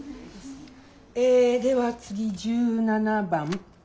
えでは次１７番。